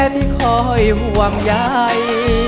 ที่คอยห่วงใย